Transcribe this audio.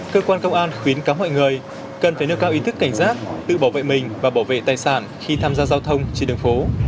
cơ quan công an khuyến cáo mọi người cần phải nâng cao ý thức cảnh giác tự bảo vệ mình và bảo vệ tài sản khi tham gia giao thông trên đường phố